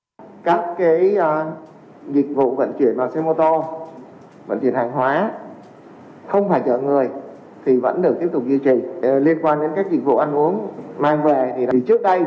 mà có order nhiều